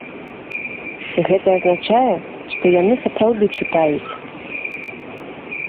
Гэта азначае, што яны сапраўды чытаюць.